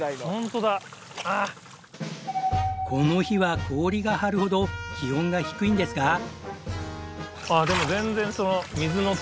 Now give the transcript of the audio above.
この日は氷が張るほど気温が低いんですが。